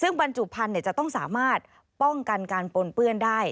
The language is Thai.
ซึ่งบรรจุภัณฑ์จะต้องสามารถป้องกันการปนเปื้อนได้